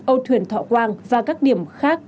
âu thuyền thọ quang và các điểm khác